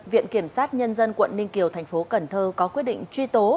viện kiểm sát nhân dân quận ninh kiều thành phố cần thơ có quyết định truy tố